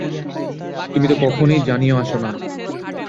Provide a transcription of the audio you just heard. তুমি তো কখনোই জানিয়ে আসো না।